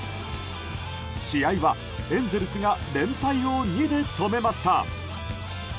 試合はエンゼルスが連敗を２で止めました。